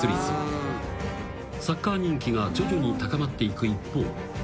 ［サッカー人気が徐々に高まっていく一方］